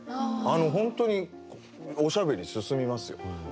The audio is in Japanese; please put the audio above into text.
本当におしゃべり進みますよ。